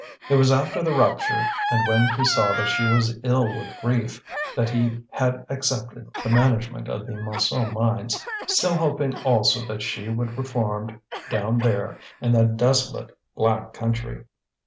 It was after the rupture, and when he saw that she was ill with grief, that he had accepted the management of the Montsou mines, still hoping also that she would reform down there in that desolate black country.